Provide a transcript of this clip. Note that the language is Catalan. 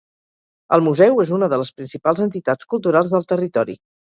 El Museu és una de les principals entitats culturals del territori